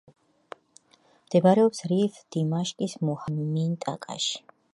მდებარეობს რიფ-დიმაშკის მუჰაფაზის დუმის მინტაკაში.